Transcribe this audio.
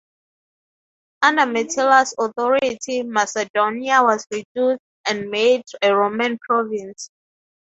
Under Metellus' authority Macedonia was reduced and made a Roman province.